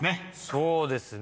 そうですね。